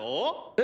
え？